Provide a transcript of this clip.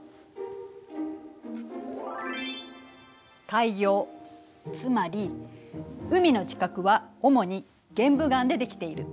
海洋つまり海の近くはおもに「玄武岩」でできている。